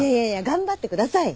頑張ってください。